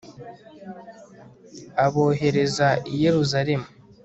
abohereza i yeruzalemu